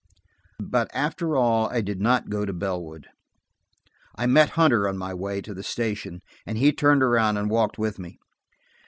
But after all I did not go to Bellwood. I met Hunter on my way to the station, and he turned around and walked with me.